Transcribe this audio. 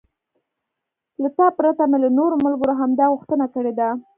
له تا پرته مې له نورو ملګرو هم دا غوښتنه کړې ده.